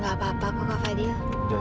nggak apa apa kok kak fadil